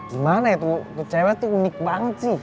gimana ya tuh cewek tuh unik banget sih